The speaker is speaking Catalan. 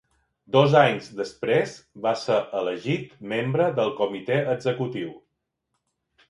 Dos anys després va ser elegit membre del Comitè Executiu.